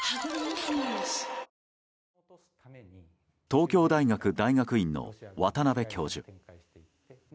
東京大学大学院の渡邉教授。